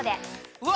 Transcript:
うわ！